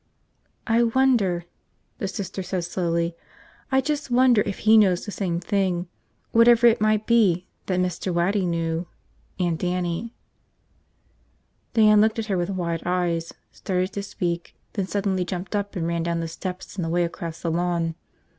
"I wonder," the Sister said slowly. "I just wonder if he knows the same thing, whatever it might be, that Mr. Waddy knew, and Dannie." Diane looked at her with wide eyes, started to speak, then suddenly jumped up and ran down the steps and away across the lawn.